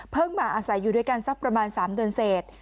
เพิ่งมาอาศัยอยู่ด้วยกันสักประมาณ๓เดือนเศส